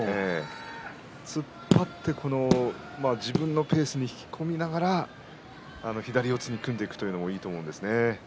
突っ張って自分のペースに引き込みながら左四つに組んでいくそういう相撲がいいと思います。